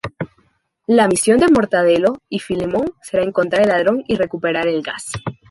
La misión de Mortadelo y Filemón será encontrar al ladrón y recuperar el gas.